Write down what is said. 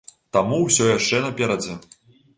Таму ўсё яшчэ наперадзе!